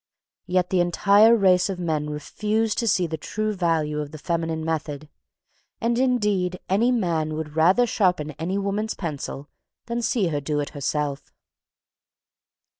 Yet the entire race of men refuse to see the true value of the feminine method, and, indeed, any man would rather sharpen any woman's pencil than see her do it herself.